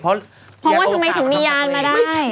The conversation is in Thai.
เพราะว่าทำไมถึงมียานมาได้